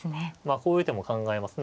こういう手も考えますね。